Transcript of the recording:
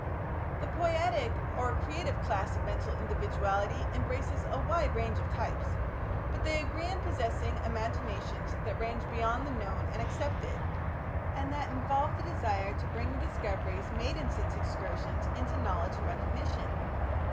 The Poietic or creative class of mental individuality embraces a wide range of types, but they agree in possessing imaginations that range beyond the known and accepted, and that involve the desire to bring the discoveries made in such excursions, into knowledge and recognition.